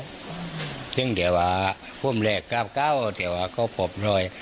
ก็เย็นว่าควบเรกเกาะเขาที่ว่าเขาพบรอย